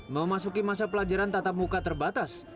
memasuki masa pelajaran tatap muka terbatas